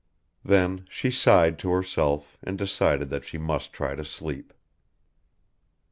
Then she sighed to herself and decided that she must try to sleep.